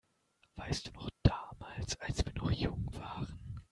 Weißt du noch damals, als wir noch jung waren?